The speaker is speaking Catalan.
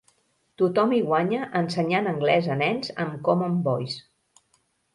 Tothom hi guanya ensenyant anglès a nens amb Common Voice.